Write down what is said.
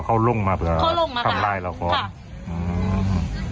เข้าล่งมาเผื่อเข้าล่งมาค่ะฟังลายเราเขาแล้วพอค่ะโอ้อืม